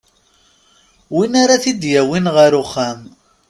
Win ara t-id-yawin ɣer uxxam.